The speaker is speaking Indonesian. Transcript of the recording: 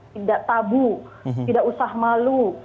tidak tabu tidak usah malu